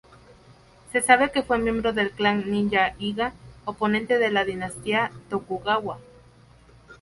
Se sabe que fue miembro del clan ninja Iga, oponente de la dinastía Tokugawa.